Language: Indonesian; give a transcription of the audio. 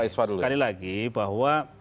sekali lagi bahwa